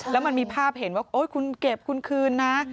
แล้วมันมีภาพเห็นว่าโอ๊ยคุณเก็บคุณคืนนะ